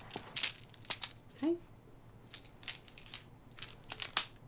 はい。